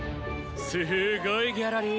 すごいギャラリー。